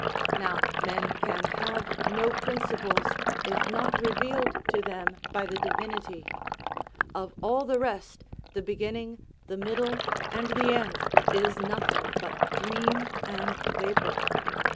Now men can have no principles if not revealed to them by the divinity; of all the rest the beginning, the middle, and the end, is nothing but dream and vapour.